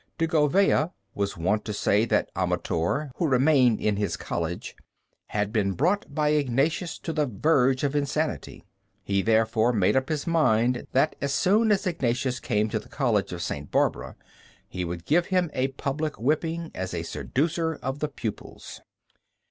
De Govea was wont to say that Amator, who remained in his college, had been brought by Ignatius to the verge of insanity. He therefore made up his mind that as soon as Ignatius came to the College of St. Barbara, he would give him a public whipping as a seducer of the pupils.